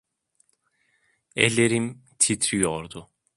Ellerim titriyordu.